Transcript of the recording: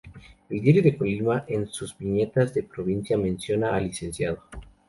El Diario de Colima en sus Viñetas de Provincia menciona al lic.